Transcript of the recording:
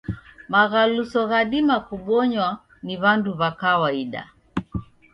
Maghaluso ghadima kubonywa ni w'andu wa kawaida.